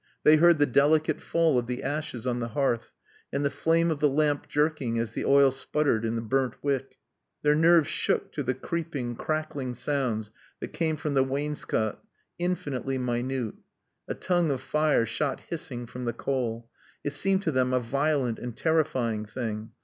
They heard the delicate fall of the ashes on the hearth, and the flame of the lamp jerking as the oil sputtered in the burnt wick. Their nerves shook to the creeping, crackling sounds that came from the wainscot, infinitely minute. A tongue of fire shot hissing from the coal. It seemed to them a violent and terrifying thing.